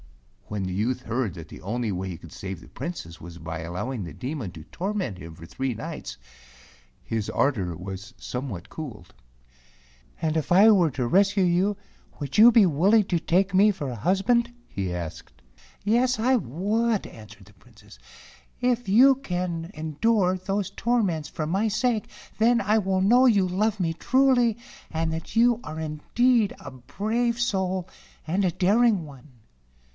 When the youth heard that the only way he could save the Princess was by allowing the De¬ mon to torment him for three nights, his ardor was somewhat cooled. "And if I were to rescue 183 A DEMON OF THE MOUNTAIN you, would you be willing to take me for a hus¬ band ?" he asked. "Yes, that I would," answered the Princess, " for if you can endure those torments for my sake, then I will know you love me truly, and that you are indeed a brave soul and a daring one."